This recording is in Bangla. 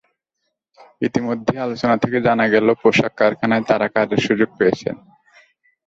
ইতিমধ্যে আলোচনা থেকে জানা গেল, পোশাক কারখানায় তাঁরা কাজের সুযোগ পেয়েছেন।